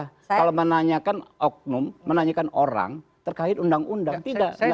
kalau menanyakan oknum menanyakan orang terkait undang undang tidak